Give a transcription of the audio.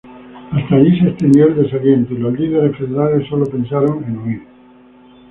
Hasta allí se extendió el desaliento, y los líderes federales solo pensaron en huir.